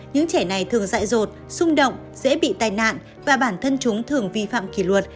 những trẻ này thường dại rột xung động dễ bị tai nạn và bản thân chúng thường vi phạm kỷ luật